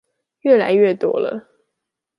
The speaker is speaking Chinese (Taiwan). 越來越多了